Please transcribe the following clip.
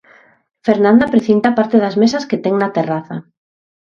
Fernanda precinta parte das mesas que ten na terraza.